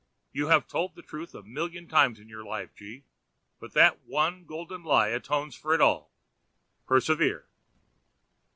You have told the truth a million times in your life, G— , but that one golden lie atones for it all. Persevere.'